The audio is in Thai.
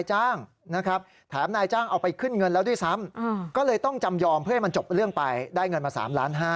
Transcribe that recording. ฟังมาถึงขั้นนี้ฟังให้ดีนะ